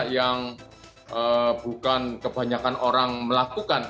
yang bukan kebanyakan orang melakukan